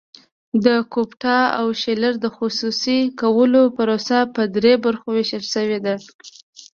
د ګوپټا او شیلر د خصوصي کولو پروسه په درې برخو ویشل شوې ده.